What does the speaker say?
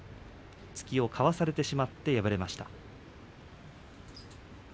突きをかわされてしまって敗れました。